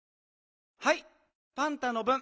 はいパンタのぶん。